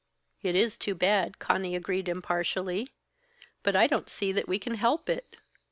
"It is too bad," Conny agreed impartially. "But I don't see that we can help it."